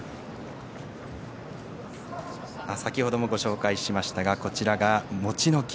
先ほどもご紹介しましたがモチノキ。